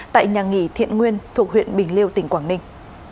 tại nhà nghỉ thiện nguyên thuộc huyện bình liêu tỉnh quảng ninh